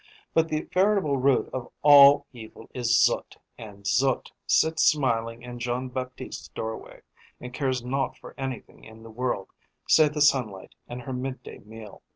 But the veritable root of all evil is Zut, and Zut sits smiling in Jean Baptiste's doorway, and cares naught for anything in the world, save the sunlight and her midday meal.